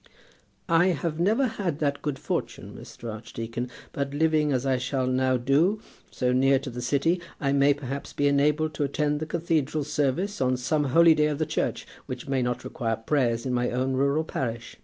"I have never had that good fortune, Mr. Archdeacon. But living as I shall now do, so near to the city, I may perhaps be enabled to attend the cathedral service on some holyday of the Church, which may not require prayers in my own rural parish.